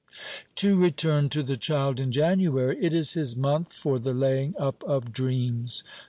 To return to the child in January. It is his month for the laying up of dreams.